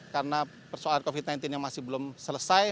karena persoalan covid sembilan belas yang masih belum selesai